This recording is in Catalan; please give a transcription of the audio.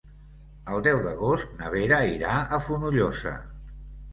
El deu d'agost na Vera irà a Fonollosa.